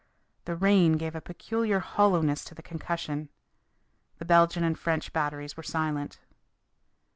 The rain gave a peculiar hollowness to the concussion. The Belgian and French batteries were silent.